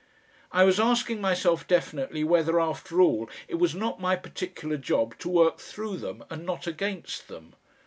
I was asking myself definitely whether, after all, it was not my particular job to work through them and not against them.